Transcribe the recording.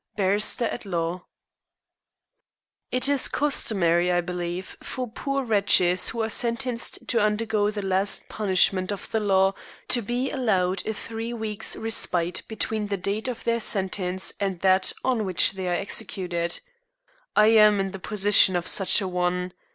Barrister at law_) It is customary, I believe, for poor wretches who are sentenced to undergo the last punishment of the law to be allowed a three weeks' respite between the date of their sentence and that on which they are executed. I am in the position of such a one.